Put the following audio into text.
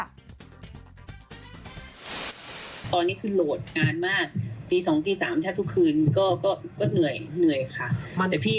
ตอนนี้คือโหลดงานมากปี๒๓แทบทุกคืนก็เหนื่อยค่ะ